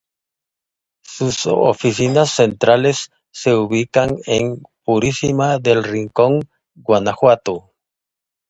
Sus oficinas centrales se ubican en Purísima del Rincón, Guanajuato.